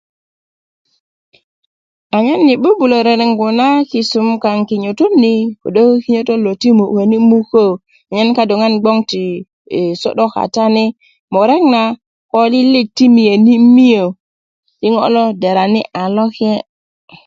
anyen yii 'bu'bulä reregu na kisum na kaŋ kinyotot ni kodo kinyotot lo ti mukänimukä a nyen kadoŋan ti sodó katani mureg na ko lilik ti miyänimiyä ti ŋo lo derani a lo kiyé